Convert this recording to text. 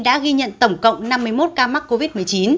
đã ghi nhận tổng cộng năm mươi một ca mắc covid một mươi chín